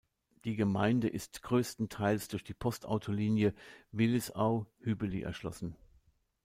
Die Gemeinde ist grösstenteils durch die Postautolinie Willisau-Hübeli erschlossen.